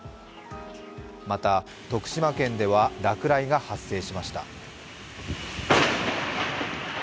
また、徳島県では落雷が発生しました。